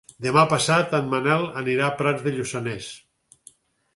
Demà passat en Manel anirà a Prats de Lluçanès.